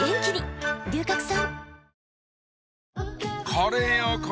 これよ